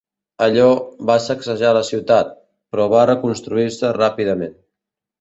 Allò va sacsejar la ciutat, però va reconstruir-se ràpidament.